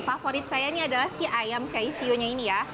yang favorit saya ini adalah si ayam kai siunya ini ya